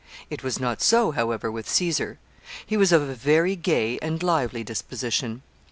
It was not so, however, with Caesar. He was of a very gay and lively disposition.